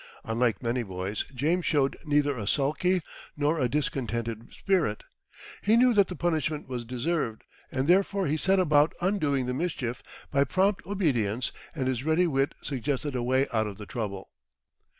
Unlike many boys, James showed neither a sulky nor a discontented spirit. He knew that the punishment was deserved, and therefore he set about undoing the mischief by prompt obedience, and his ready wit suggested a way out of the trouble.